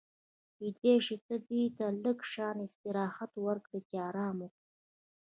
کېدای شي ته دې ته لږ شان استراحت ورکړې چې ارام وکړي.